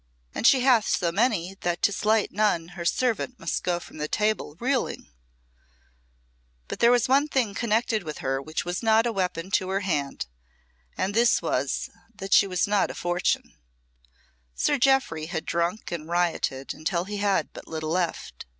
And she hath so many that to slight none her servant must go from the table reeling." There was but one thing connected with her which was not a weapon to her hand, and this was, that she was not a fortune. Sir Jeoffry had drunk and rioted until he had but little left.